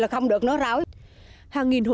hưởng ứng ủng hộ bảo tồn biển